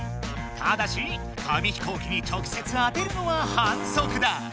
ただし紙飛行機に直せつ当てるのははんそくだ！